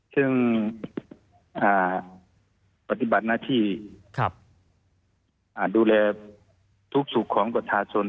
ซึ่งปฏิบัติหน้าที่ดูแลทุกสุขของประชาชน